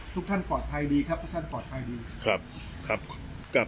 ทุกท่านปลอดภัยดีครับทุกท่านปลอดภัยดีครับครับ